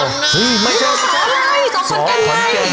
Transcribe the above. กลายเลย้สอขอนแกง